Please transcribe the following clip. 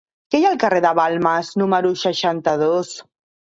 Què hi ha al carrer de Balmes número seixanta-dos?